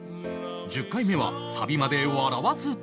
１０回目はサビまで笑わず到達